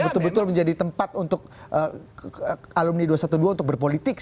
betul betul menjadi tempat untuk alumni dua ratus dua belas untuk berpolitik